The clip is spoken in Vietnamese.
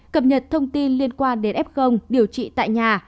cập nhật thông tin liên quan đến ép không điều trị tại nhà